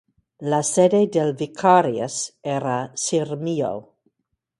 La sede del "vicarius" era Sirmio.